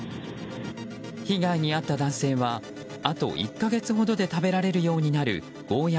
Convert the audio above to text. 被害に遭った男性はあと１か月ほどで食べられるようになるゴーヤ